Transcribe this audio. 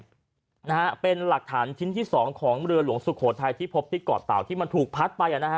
นะฮะเป็นหลักฐานชิ้นที่สองของเรือหลวงสุโขทัยที่พบที่เกาะเต่าที่มันถูกพัดไปอ่ะนะฮะ